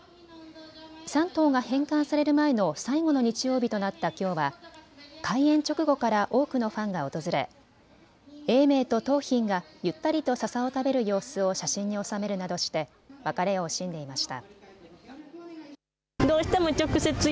３頭が返還される前の最後の日曜日となったきょうは開園直後から多くのファンが訪れ永明と桃浜がゆったりとささを食べる様子を写真に収めるなどして別れを惜しんでいました。